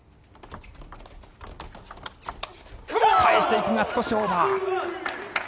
返していきますが少しオーバー。